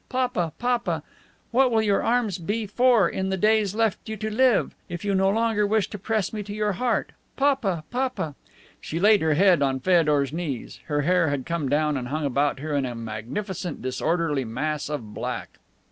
Papa, Papa! What will your arms be for in the days left you to live, if you no longer wish to press me to your heart? Papa! Papa!" She laid her head on Feodor's knees. Her hair had come down and hung about her in a magnificent disorderly mass of black.